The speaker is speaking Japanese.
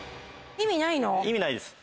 意味ないです。